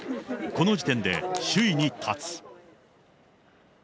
この時点で、首位に立つ。